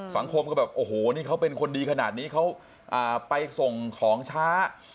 สังคมก็แบบโอ้โหนี่เขาเป็นคนดีขนาดนี้เขาไปส่งของช้า